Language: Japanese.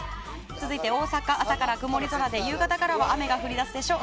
続いて、大阪、朝から曇り空で夕方からは雨が降り出すでしょう。